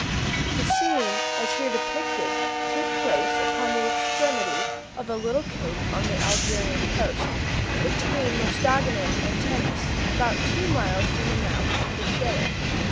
The scene, as here depicted, took place upon the extremity of a little cape on the Algerian coast, between Mostaganem and Tenes, about two miles from the mouth of the Shelif.